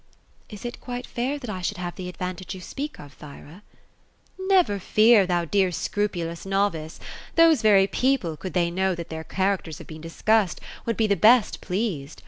^ Is it quite fair that I should have the advantage you speak of, Thyra?" " Never fear, thon dear scrupulous novice ! Those very people, could they know that their characters have been discussed, would be the best pleased.